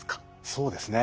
そうですね